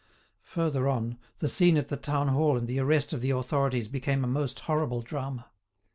Further on, the scene at the town hall and the arrest of the authorities became a most horrible drama.